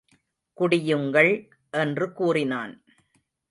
குடியுங்கள் என்று கூறினான்.